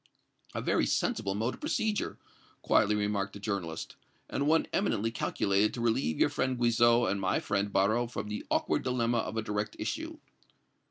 "A very sensible mode of procedure," quietly remarked the journalist, "and one eminently calculated to relieve your friend Guizot and my friend Barrot from the awkward dilemma of a direct issue."